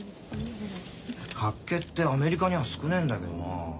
脚気ってアメリカには少ねえんだけどなあ。